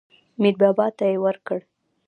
میر بابا ته یې ورکړ.